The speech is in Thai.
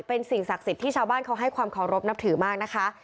เป็นสิ่งศักดิ์สิทธิ์ที่ชาวบ้านเขาให้ความเคารพนับถือมากนะคะ